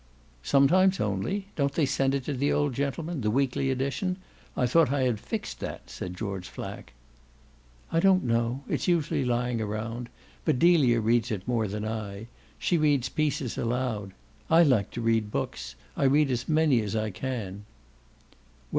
"Sometimes only? Don't they send it to the old gentleman the weekly edition? I thought I had fixed that," said George Flack. "I don't know; it's usually lying round. But Delia reads it more than I; she reads pieces aloud. I like to read books; I read as many as I can."